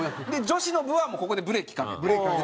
女子の部はもうここでブレーキかけて。